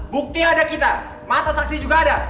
bukti ada kita mata saksi juga ada